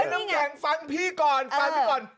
ลมแก่งฟังพี่ก่อน